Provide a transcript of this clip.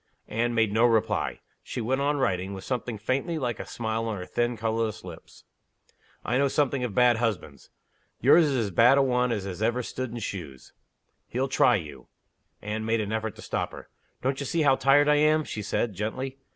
Anne made no reply. She went on writing, with something faintly like a smile on her thin, colorless lips. "I know something of bad husbands. Yours is as bad a one as ever stood in shoes. He'll try you." Anne made an effort to stop her. "Don't you see how tired I am?" she said, gently.